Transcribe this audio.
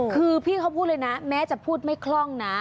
คือพี่เขาพูดเลยนะแม้จะพูดไม่คล่องนะ